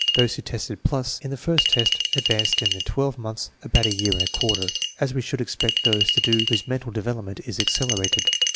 Those who tested plus in the first test advanced in the twelve months about a year and a quarter, as we should expect those to do whose mental development is accelerated.